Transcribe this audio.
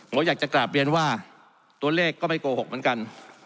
ผมอยากจะกราบเรียนว่าตัวเลขก็ไม่โกหกเหมือนกัน